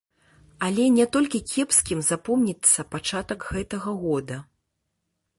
Але не толькі кепскім запомніцца пачатак гэтага года.